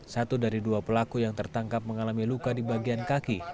satu dari dua pelaku yang tertangkap mengalami luka di bagian kaki